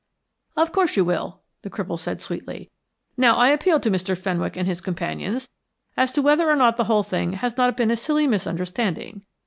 "Of course you will," the cripple said sweetly. "Now I appeal to Mr. Fenwick and his companions as to whether or not the whole thing has not been a silly misunderstanding.